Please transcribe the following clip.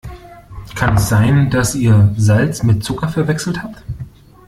Kann es sein, dass ihr Salz mit Zucker verwechselt habt?